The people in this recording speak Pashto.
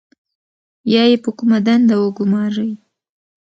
یا یې په کومه دنده وګمارئ.